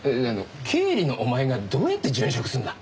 経理のお前がどうやって殉職するんだ？